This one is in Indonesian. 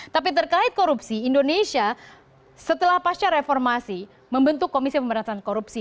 tapi terkait korupsi indonesia setelah pasca reformasi membentuk komisi pemberantasan korupsi